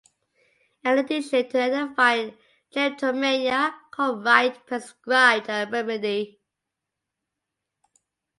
In addition to identifying drapetomania, Cartwright prescribed a remedy.